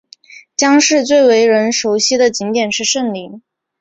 姜市最为人熟悉的景点是圣陵。